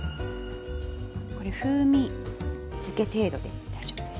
これ風味づけ程度で大丈夫です。